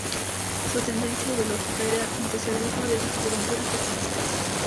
Su tendencia ideológica era el socialismo, desde su juventud hasta su muerte.